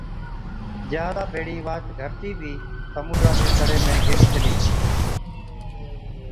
جھازا ڀيڙَي واهچ گھَرٽِي بِي سمُنڊا چي تڙي ۾ گيلِي چلِي۔